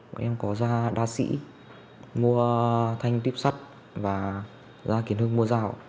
bọn em có da đa sĩ mua thanh tuyếp sắt và da kiến hương mua dao